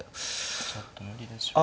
ちょっと無理でしょうね